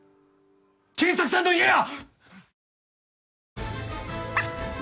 賢作さんの家や！